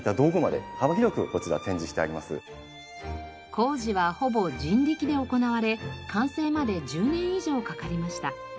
工事はほぼ人力で行われ完成まで１０年以上かかりました。